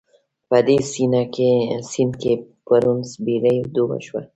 په دې سيند کې پرون بېړۍ ډوبه شوه